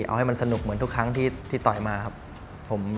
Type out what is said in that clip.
เอาให้มันสนุกเหมือนทุกครั้งที่ต่อยมาครับ